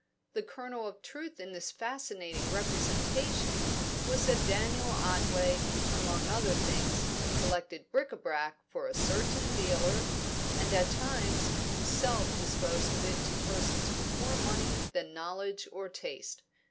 The kernel of truth in this fascinating representation was that Daniel Otway, among other things, collected bric a brac for a certain dealer, and at times himself disposed of it to persons with more money than knowledge or taste.